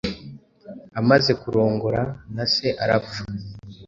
amaze kurongora na se arapfa,